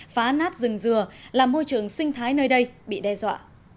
phá nát rừng dừa làm môi trường sinh thái nơi đây bị đe dọa